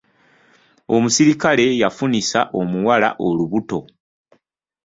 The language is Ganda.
Omusirikale yafunisa omuwala olubuto.